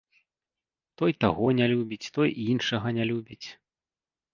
Той таго не любіць, той іншага не любіць.